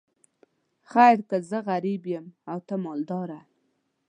خیر که زه غریب یم او ته مالداره.